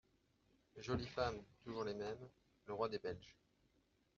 Jolies femmes… toujours les mêmes… le roi des Belges.